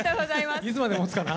いつまでもつかな？